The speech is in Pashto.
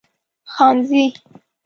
خانزي